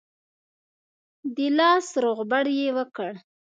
د لاس روغبړ یې وکړ.